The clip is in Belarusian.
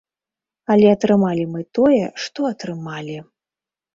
Але атрымалі мы тое, што атрымалі.